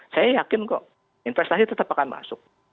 saya yakin kok investasi tetap akan masuk